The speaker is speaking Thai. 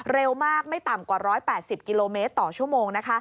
เร็วมากไม่ต่ำกว่า๑๘๐กิโลเมตรต่อชั่วโมง